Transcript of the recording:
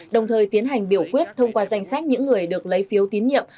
đồng thời tiến hành biểu quyết thông qua danh sách những người được lấy phiếu tín nhiệm